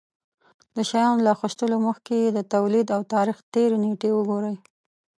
د شيانو له اخيستلو مخکې يې د توليد او تاريختېر نېټې وگورئ.